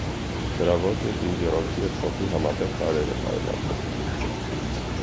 Նրա ոճը ինդի ռոքի և փոփի համատեղ տարրեր է պարունակում։